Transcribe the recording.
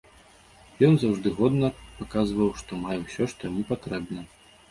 Ён заўжды годна паказваў, што мае ўсё, што яму патрэбна.